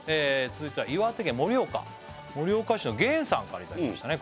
続いては岩手県・盛岡盛岡市のげんさんからいただきましたね